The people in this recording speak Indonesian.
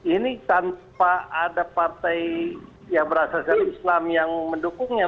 ini tanpa ada partai yang berasal dari islam yang mendukungnya